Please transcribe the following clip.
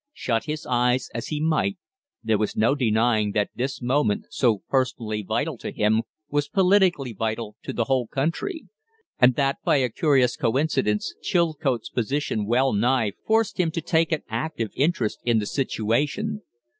Shut his eyes as he might, there was no denying that this moment, so personally vital to him, was politically vital to the whole country; and that by a curious coincidence Chilcote's position well nigh forced him to take an active interest in the situation.